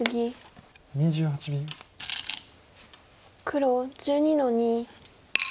黒１２の二。